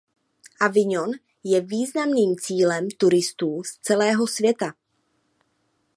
Avignon je významným cílem turistů z celého světa.